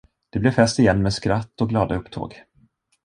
Det blev fest igen med skratt och glada upptåg.